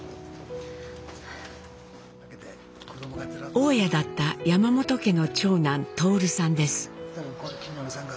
大家だった山本家の長男徹さんです。